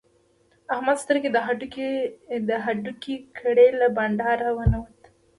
احمد سترګې د هډوکې کړې؛ له بانډاره و نه وت.